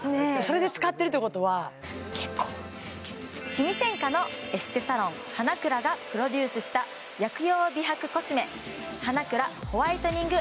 シミ専科のエステサロン花蔵がプロデュースした薬用美白コスメ花蔵ホワイトニング